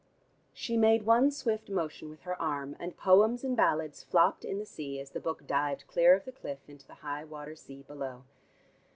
She made one swift motion with her arm, and "Poems and Ballads" flopped in the sea as the book dived clear of the cliff into the high water sea below.